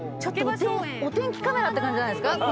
お天気カメラって感じじゃないですか？